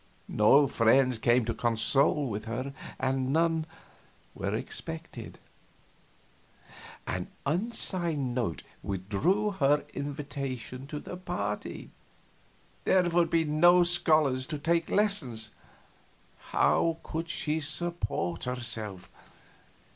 No friends came to condole with her, and none were expected; an unsigned note withdrew her invitation to the party. There would be no scholars to take lessons. How could she support herself?